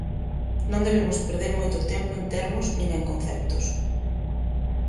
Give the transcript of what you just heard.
"Non debemos perder moito tempo en termos nin en conceptos".